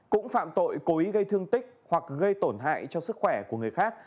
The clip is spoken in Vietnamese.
cũng phạm tội cố ý gây thương tích hoặc gây tổn hại cho sức khỏe của người khác